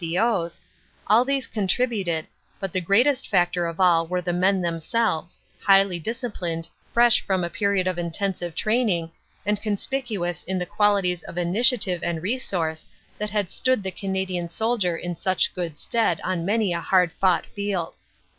C. O s all these contributed; but the greatest factor of all were the men themselves, highly disciplined, fresh from a period of intensive training, and conspicuous in the qualities of initi ative and resource that had stood the Canadian soldier in such good stead on many a hard fought field.